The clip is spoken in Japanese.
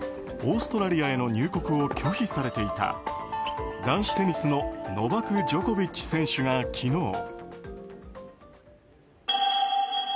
オーストラリアへの入国を拒否されていた男子テニスのノバク・ジョコビッチ選手が昨日。